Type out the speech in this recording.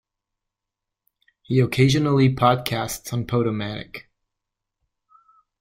He occasionally podcasts on podomatic.